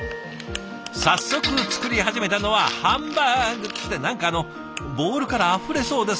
早速作り始めたのはハンバーグって何かあのボウルからあふれそうですけど。